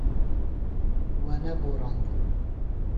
We neborand.